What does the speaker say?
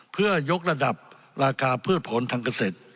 เพื่อยกระดับราคาพืชผลทางเกษตร